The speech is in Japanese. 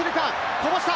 こぼした！